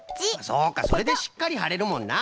そうかそれでしっかりはれるもんな。